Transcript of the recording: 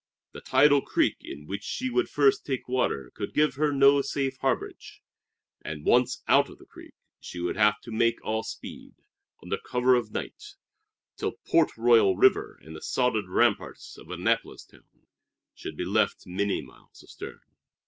The tidal creek in which she would first take water could give her no safe harborage; and once out of the creek she would have to make all speed, under cover of night, till Port Royal River and the sodded ramparts of Annapolis town should be left many miles astern.